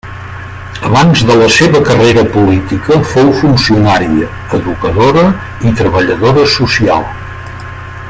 Abans de la seva carrera política fou funcionària, educadora i treballadora social.